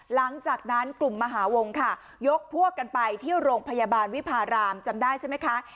หลังจากนั้นกลุ่มมหาวงค่ะยกพวกกันไปที่โรงพยาบาลวิพารามจำได้ใช่ไหมคะ